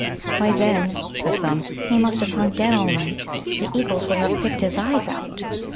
"Why, then," said Thumb, "he must have hung dead all night. The eagles will have picked his eyes out."